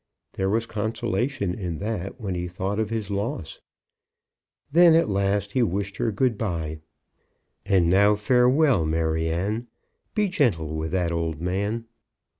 There was consolation in that when he thought of his loss. Then, at last, he wished her good by. "And now farewell, Maryanne. Be gentle with that old man."